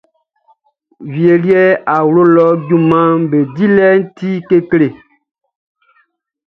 Wie liɛʼn, awlo lɔ junmanʼm be dilɛʼn ti kekle.